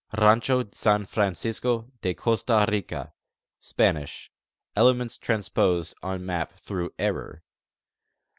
Rancho San Francisco de Costa Rica: Spanish (elements transposed on map through error).